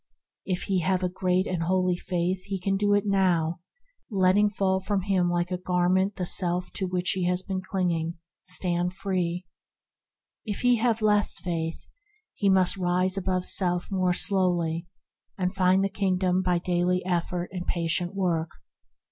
If he have a great and holy faith he can do it now, and, letting fall from him like a gar ment the self to which he has been clinging, stand free. If he have less faith, he must rise above self more slowly, and find the Kingdom by daily effort and patient work.